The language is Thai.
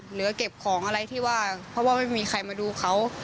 เหลือเก็บของอะไรที่ว่าเพราะว่าไม่มีใครมาดูเขา